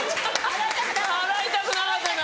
払いたくなかったんだ。